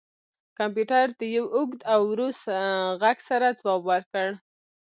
کمپیوټر د یو اوږد او ورو غږ سره ځواب ورکړ